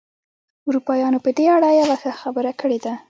ارواپوهانو په دې اړه يوه ښه خبره کړې ده.